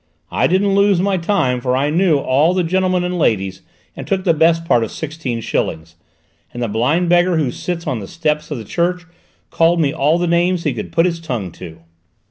I didn't lose my time, for I knew all the gentlemen and ladies and took the best part of sixteen shillings, and the blind beggar who sits on the steps of the church called me all the names he could put his tongue to!"